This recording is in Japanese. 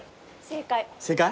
正解？